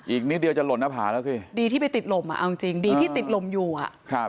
อีกนิดเดียวจะหล่นหน้าผาแล้วสิดีที่ไปติดลมอ่ะเอาจริงดีที่ติดลมอยู่อ่ะครับ